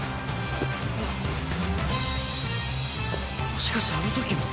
もしかしてあの時の？